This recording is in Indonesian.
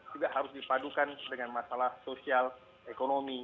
juga harus dipadukan dengan masalah sosial ekonomi